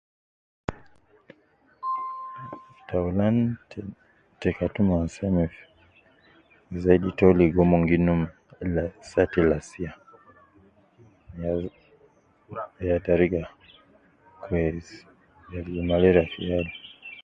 Taulan te kutu omon seme fi ,zaidi to ligo mon gi num ladi saa te lasiya ,ya ya teriga te aliju malaria fi yal